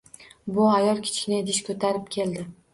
Bu ayol kichkina idish koʻtarib keldi